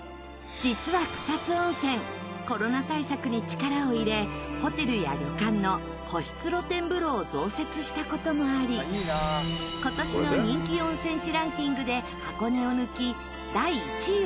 実は草津温泉コロナ対策に力を入れホテルや旅館の個室露天風呂を増設した事もあり今年の人気温泉地ランキングで箱根を抜き第１位を獲得。